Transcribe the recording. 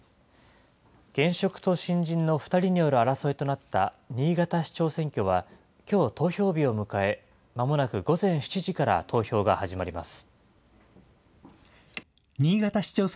現職と新人の２人の争いとなった新潟市長選挙は、きょう投票日を迎え、まもなく午前７時から投票が始まります。